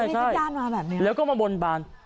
ใช่แล้วก็มาบนบาน